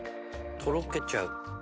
とろけちゃう。